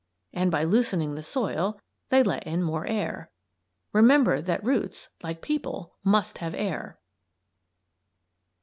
And by loosening the soil they let in more air. Remember that roots, like people, must have air.